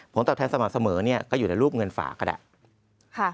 ตอบแทนสม่ำเสมอเนี่ยก็อยู่ในรูปเงินฝากก็ได้